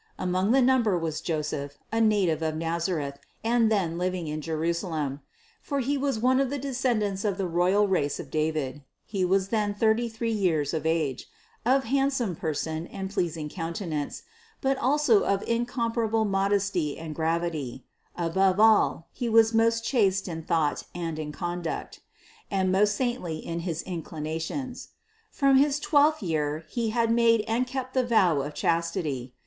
Among the number was Joseph, a native of Nazareth, and then living in Jerusalem; for he was one of the de scendants of the royal race of David. He was then thirty three years of age, of handsome person and pleas ing countenance, but also of incomparable modesty and gravity; above all he was most chaste in thought and conduct, and most saintly in all his inclinations. From his twelfth year he had made and kept the vow of chas tity.